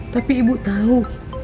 tapi ibu tau